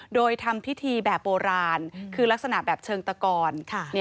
โดยทำพิธีแบบโบราณคือลักษณะแบบเชิงตะกร